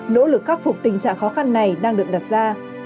nỗ lực khắc phục tình trạng khó khăn này đang được đặt ra